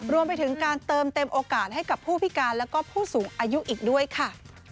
รวมไปถึงการเติมเต็มโอกาสให้กับผู้พิการแล้วก็ผู้สูงอายุอีกด้วยค่ะ